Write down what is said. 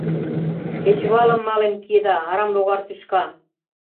Кечывалым мален киеда, арам логар тӱшка!